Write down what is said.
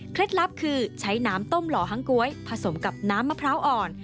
ลับคือใช้น้ำต้มหล่อฮังก๊วยผสมกับน้ำมะพร้าวอ่อน